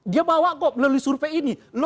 dia bawa kok melalui survei ini